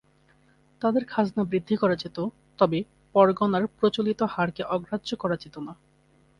তাদের খাজনা বৃদ্ধি করা যেত, তবে পরগনার প্রচলিত হারকে অগ্রাহ্য করা যেত না।